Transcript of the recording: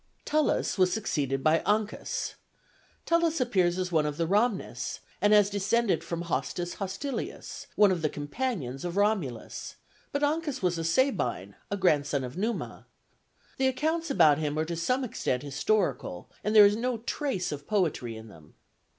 Tullus was succeeded by Ancus. Tullus appears as one of the Ramnes, and as descended from Hostus Hostilius, one of the companions of Romulus; but Ancus was a Sabine, a grandson of Numa. The accounts about him are to some extent historical, and there is no trace of poetry in them.